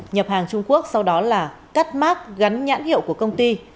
nhập hàng trung quốc sau đó là cắt mát gắn nhãn hiệu của công ty